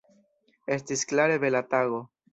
Estis klare bela tago.